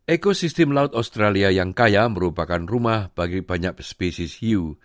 ekosistem laut australia yang kaya merupakan rumah bagi banyak spesies hiu